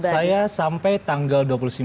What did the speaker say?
saya sampai tanggal dua puluh sembilan